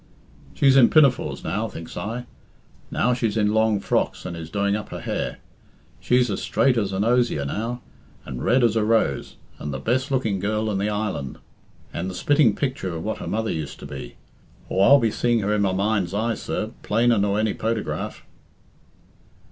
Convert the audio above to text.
'She's in pinafores now' thinks I. 'Now she's in long frocks, and is doing up her hair.' 'She's as straight as an osier now, and red as a rose, and the best looking girl in the island, and the spitting picture of what her mother used to be.' Aw, I'll be seeing her in my mind's eye, sir, plainer nor any potegraph."